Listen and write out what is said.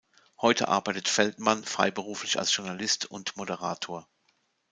Heute arbeitet Feldmann freiberuflich als Journalist und Moderator.